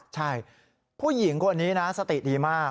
ใช่ผู้หญิงคนนี้นะสติดีมาก